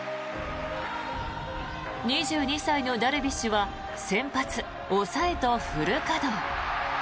２２歳のダルビッシュは先発、抑えとフル稼働。